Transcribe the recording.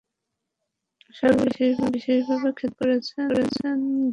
সর্বোপরি তিনি বিশেষভাবে খ্যাতি অর্জন করেছেন জলরংকেন্দ্রিক নানা সামাজিক কর্মকাণ্ডের জন্য।